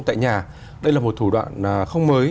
tại nhà đây là một thủ đoạn không mới